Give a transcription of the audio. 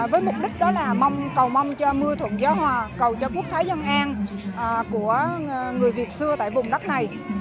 với mục đích đó là mong cầu mong cho mưa thuận gió hòa cầu cho quốc thái dân an của người việt xưa tại vùng đất này